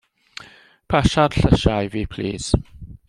Pasia'r llysia' i fi plis.